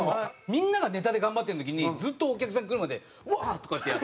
みんながネタで頑張ってる時にずっとお客さん来るまでワッ！とかってやってて。